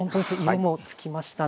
色もつきましたね。